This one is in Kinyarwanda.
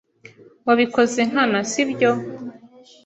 Wabikoze nkana, sibyo?